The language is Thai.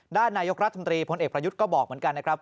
ด้านนายกรัฐมนตรีพลเอกประยุทธ์ก็บอกเหมือนกันนะครับ